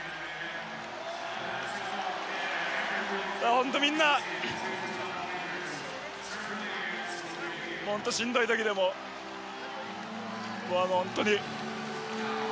本当、みんな本当にしんどい時でも本当に。